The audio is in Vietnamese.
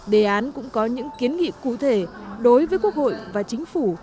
đề án cũng có những kiến nghị cụ thể đối với quốc hội và chính phủ